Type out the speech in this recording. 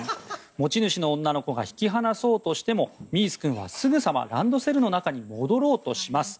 持ち主の女の子が引き離そうとしてもミース君はすぐさまランドセルの中に戻ろうとします。